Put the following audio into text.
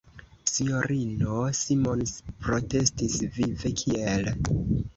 S-ino Simons protestis vive: "Kiel!"